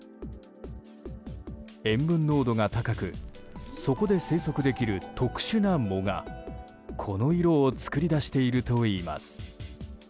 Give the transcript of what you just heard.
塩分濃度が高くそこで生息できる特殊な藻がこの色を作り出しているといいます。